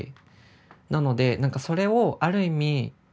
なのでなんかそれをある意味